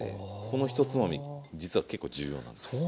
この１つまみ実は結構重要なんですよ。